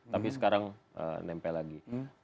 tapi sekarang nempel lagi